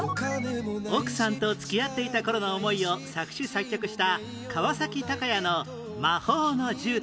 奥さんと付き合っていた頃の思いを作詞作曲した川崎鷹也の『魔法の絨毯』